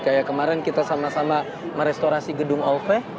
kayak kemarin kita sama sama merestorasi gedung olve